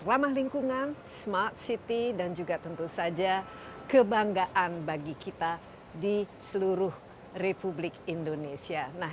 ramah lingkungan smart city dan juga tentu saja kebanggaan bagi kita di seluruh republik indonesia